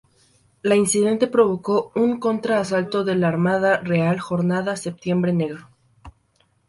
La incidente provocó un contra asalto de la Armada Real Jordana, Septiembre Negro.